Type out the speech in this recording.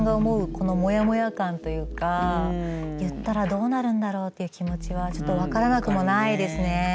このもやもや感というか言ったらどうなるんだろうっていう気持ちはちょっと分からなくもないですね。